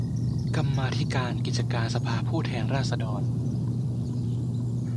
กรรมาธิการกิจการสภาผู้แทนราษฎร